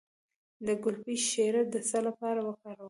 د ګلپي شیره د څه لپاره وکاروم؟